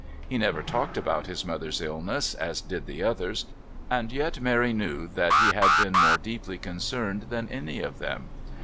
He never talked about his mother's illness, as did the others, and yet Mary knew that he had been more deeply concerned than any of them.